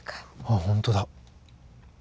あっ本当だ。